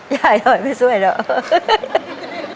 ยายร้อยไม่สวยเหรอ